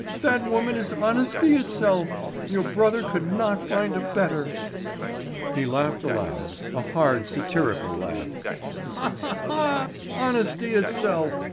That woman is honesty itself. Your brother could not find a better." He laughed aloud, a hard, satirical laugh: "Ha! hah! Hah! Honesty itself!